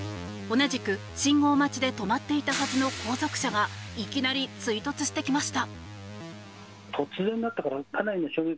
同じく信号待ちで止まっていたはずの後続車がいきなり追突してきました。